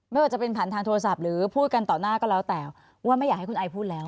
ไม่ว่าจะเป็นผ่านทางโทรศัพท์หรือพูดกันต่อหน้าก็แล้วแต่ว่าไม่อยากให้คุณไอพูดแล้ว